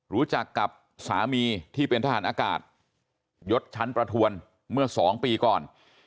รู้จักกับสามีที่เป็นทหารอากาศยศชั้นประทวนเมื่อ๒ปีก่อน